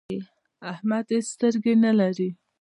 احمد هيڅ سترګې نه لري.